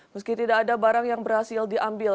meski tidak ada barang yang berhasil diambil